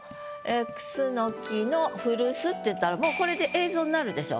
「楠の古巣」っていったらもうこれで映像になるでしょ？